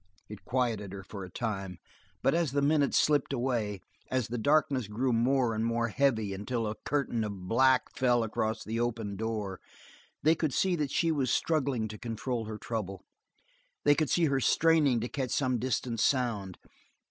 It quieted her for a time, but as the minutes slipped away, as the darkness grew more and more heavy until a curtain of black fell across the open door, they could see that she was struggling to control her trouble, they could see her straining to catch some distant sound.